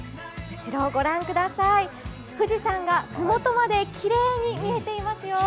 後ろを御覧ください、富士山がふもとまできれいに見えていますよ。